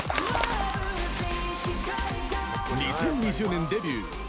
２０２０年デビュー